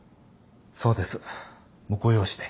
そうです婿養子で。